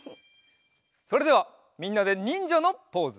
それではみんなでにんじゃのポーズ。